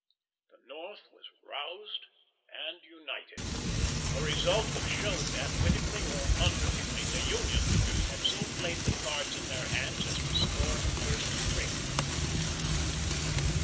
The North was roused and united; a result which showed that, wittingly or unwittingly, the Union leaders had so played the cards in their hands as to score the first trick.